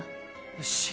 よし。